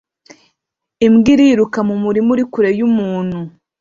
Imbwa iriruka mu murima uri kure y'umuntu